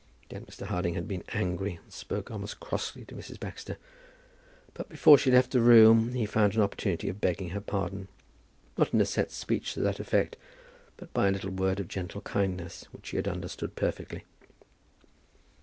Then Mr. Harding had been angry, and spoke almost crossly to Mrs. Baxter; but, before she left the room, he found an opportunity of begging her pardon, not in a set speech to that effect, but by a little word of gentle kindness, which she had understood perfectly.